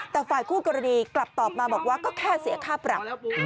แต่ฝ่ายคู่กรณีกลับตอบมาบอกว่าก็แค่เสียค่าปรับ